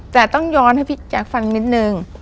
แต่ต้องย้อนให้พี่แจ๊คฟังนิดนึง